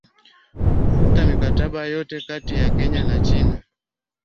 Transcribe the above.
Kufuta mikataba yote kati ya Kenya na China